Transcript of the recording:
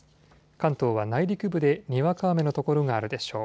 関東は内陸部でにわか雨の所があるでしょう。